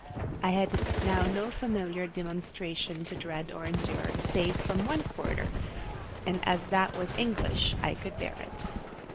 I had now no familiar demonstration to dread or endure, save from one quarter; and as that was English I could bear it.